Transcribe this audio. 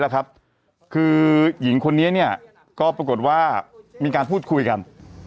คือหญิงคนนี้ก็ปรากฏว่ามีการพูดคุยกัน